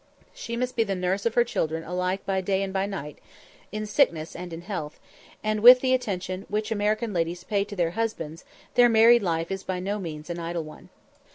She must be the nurse of her children alike by day and by night, in sickness and in health; and with the attention which American ladies pay to their husbands, their married life is by no means an idle one.